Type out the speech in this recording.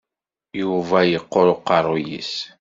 Yuba yeqqur uqerru-is.